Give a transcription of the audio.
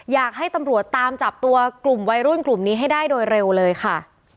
อยากให้ตำรวจตามจับตัวกลุ่มวัยรุ่นกลุ่มนี้ให้ได้โดยเร็วเลยค่ะ